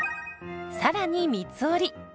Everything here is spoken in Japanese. さらに三つ折り。